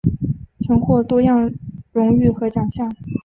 曾获多样荣誉和奖项。